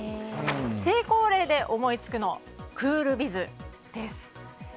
成功例で思いつくのはクールビズです。